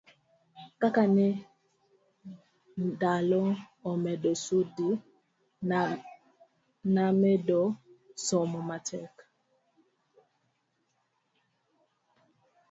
kaka ne ndalo omedo sudi namedo somo matek